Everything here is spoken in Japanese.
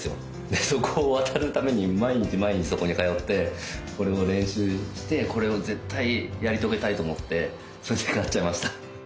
でそこを渡るために毎日毎日そこに通ってこれを練習してこれを絶対やり遂げたいと思ってそれで買っちゃいました。